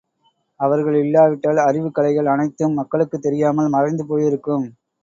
அவர்கள் இல்லாவிட்டால் அறிவுக் கலைகள் அனைத்தும் மக்களுக்குத் தெரியாமல் மறைந்து போயிருக்கும்.